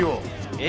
え？